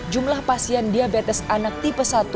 jumlah pasien diabetes anak tipe satu